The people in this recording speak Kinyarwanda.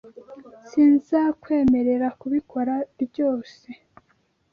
Sinzakwemerera kubikora ryose.